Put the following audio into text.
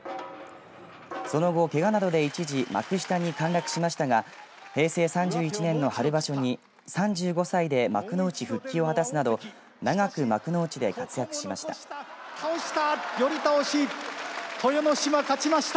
その後、けがなどで一時幕下に陥落しましたが平成３１年の春場所に３５歳で幕内復帰を果たすなど長く幕内で活躍しました。